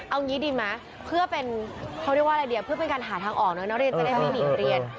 เอาอย่างนี้ดีมั้ยเพื่อเป็นการหาทางออกน้องเรียนจะได้มีอีกเรียน